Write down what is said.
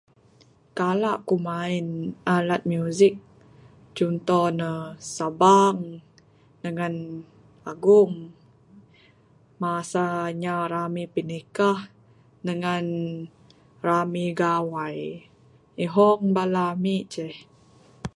Kala ku main alat music chunto ne sabang dengan agung. Masa inya rami pinikah dengan rami gawai. Ihong bala ami ceh.